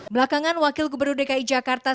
belakangan wakil gubernur dki jakarta